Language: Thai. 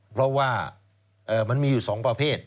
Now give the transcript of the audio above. เพราะว่ามันมีอยู่๒ประเภท